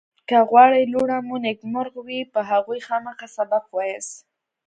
که غواړئ لوڼه مو نېکمرغ وي په هغوی خامخا سبق ووایاست